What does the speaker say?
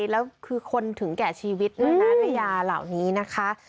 แล้วคือคนถึงแก่ชีวิตด้วยนะถ้ายาเหล่านี้นะคะ